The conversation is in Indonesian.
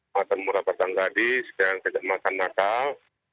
kedamatan murabatang gadis dan kedamatan natal